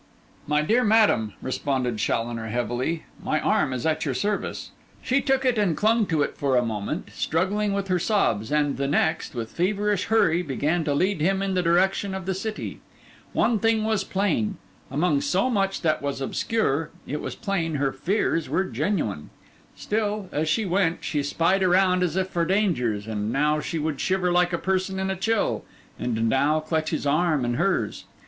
'My dear madam,' responded Challoner heavily, 'my arm is at your service.' 'She took it and clung to it for a moment, struggling with her sobs; and the next, with feverish hurry, began to lead him in the direction of the city. One thing was plain, among so much that was obscure: it was plain her fears were genuine. Still, as she went, she spied around as if for dangers; and now she would shiver like a person in a chill, and now clutch his arm in hers.